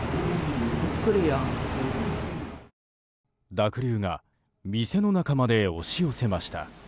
濁流が店の中まで押し寄せました。